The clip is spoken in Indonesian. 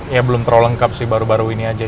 ya belum terlalu lengkap sih baru baru ini aja